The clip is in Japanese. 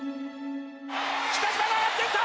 北島が上がってきた！